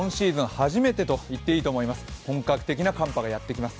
初めてと言っていいと思います。